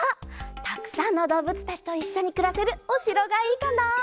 たくさんのどうぶつたちといっしょにくらせるおしろがいいかな。